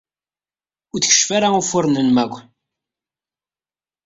Ur d-keccef ara ufuren-nnem akk.